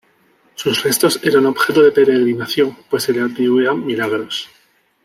Sus restos eran objeto de peregrinación pues se le atribuían milagros.